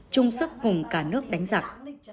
chung sức cùng cả nước đánh giặc